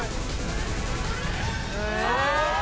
うわ！